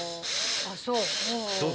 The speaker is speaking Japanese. あっそう。